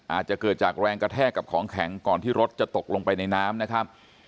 อาจจะเกิดจากแรงกระแทกกับของแข็งก่อนที่รถจะตกลงไปในน้ำนะครับ